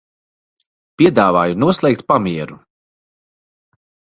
Piedāvāju noslēgt pamieru.